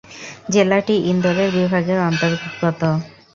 জেলাটি ইন্দোরের বিভাগের অন্তর্গত।